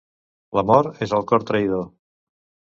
L'amor és al cor traïdor.